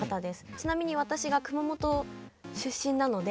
ちなみに私が熊本出身なので。